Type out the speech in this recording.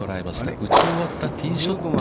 打ち終わったティーショットが。